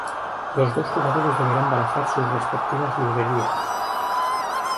Los dos jugadores deberán barajar sus respectivas librerías.